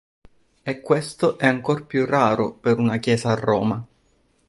E questo è ancor più raro per una chiesa a Roma.